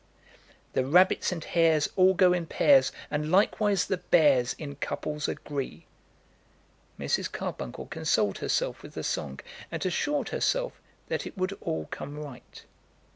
"The rabbits and hares All go in pairs; And likewise the bears In couples agree." Mrs. Carbuncle consoled herself with the song, and assured herself that it would all come right.